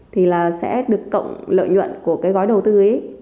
thì là sẽ được cộng lợi nhuận của cái gói đầu tư ấy